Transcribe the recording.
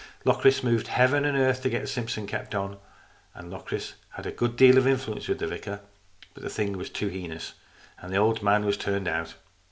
Locris moved heaven and earth to get Simpson kept on, and Locris had a good deal of influence with the vicar. But the thing was too heinous, and the old man was turned out.